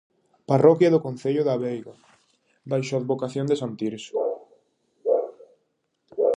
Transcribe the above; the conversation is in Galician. Parroquia do concello da Veiga baixo a advocación de san Tirso.